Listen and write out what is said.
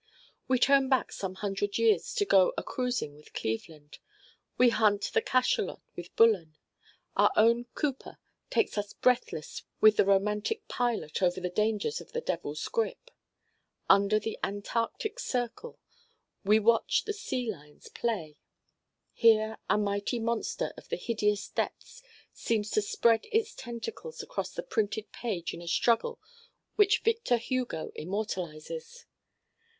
We turn back some hundred years to go a cruising with Cleveland. We hunt the cachelot with Bullen. Our own Cooper takes us breathless with the romantic Pilot over the dangers of the Devil's Grip. Under the Antarctic Circle we watch the sea lions play. Here a mighty monster of the hideous depths seems to spread its tentacles across the printed page in a struggle which Victor Hugo immortalizes.